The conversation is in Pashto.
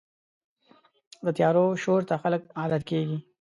د طیارو شور ته خلک عادت کېږي.